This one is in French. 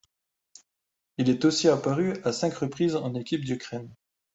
Il est aussi apparu à cinq reprises en équipe d'Ukraine.